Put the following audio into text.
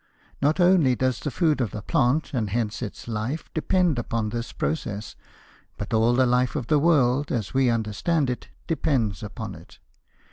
Not only does the food of the plant, and hence its life, depend upon this process, but all the life of the world, as we understand it, depends upon it.